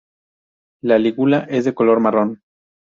La lígula es de color marrón.